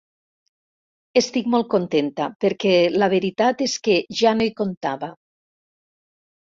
Estic molt contenta, perquè la veritat és que ja no hi comptava.